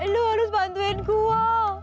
lu harus bantuin gua